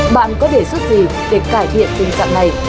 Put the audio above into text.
bạn có đề xuất gì để cải thiện tình trạng này